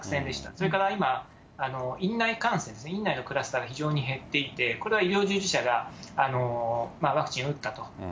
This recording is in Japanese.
それから今、院内感染ですね、院内のクラスターが非常に減っていて、これは医療従事者がワクチンを打ったと。